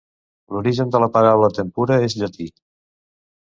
L'origen de la paraula tempura és llatí.